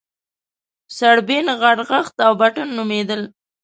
سړبن، غرغښت او بټن نومېدل.